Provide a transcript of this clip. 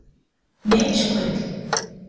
Ne nixokoyotl.